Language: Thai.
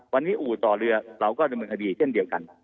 วันนี้อู่ต่อเรือเราก็ดำเนินคดีเช่นเดียวกัน